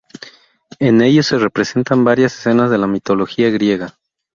En ellos se representan varias escenas de la Mitología griega.